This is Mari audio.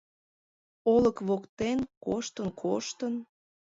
Олык воктен коштын-коштын